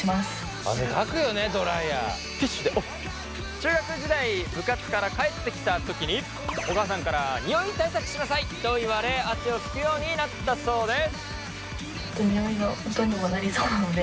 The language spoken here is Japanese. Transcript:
中学時代部活から帰ってきた時にお母さんからニオイ対策しなさいと言われ汗を拭くようになったそうです。